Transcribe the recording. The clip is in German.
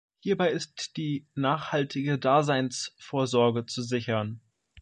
Hierbei ist die „nachhaltige Daseinsvorsorge zu sichern“.